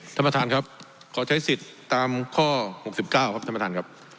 ท่านประธานครับขอใช้สิทธิ์ตามข้อ๖๙ครับท่านประธานครับ